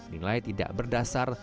nilai tidak berdasar